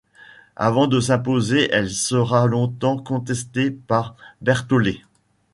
Avant de s'imposer, elle sera longtemps contestée par Berthollet.